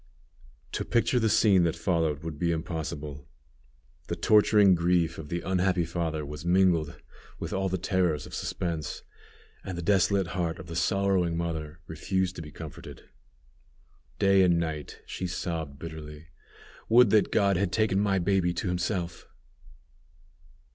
To picture the scene that followed would be impossible. The torturing grief of the unhappy father was mingled with all the terrors of suspense, and the desolate heart of the sorrowing mother refused to be comforted. Day and night she sobbed bitterly, "Would that God had taken my baby to himself!"